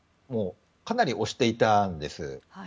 かなり押していたんです。